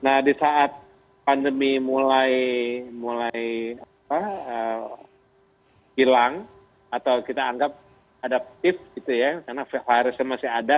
nah di saat pandemi mulai hilang atau kita anggap adaptif gitu ya karena virusnya masih ada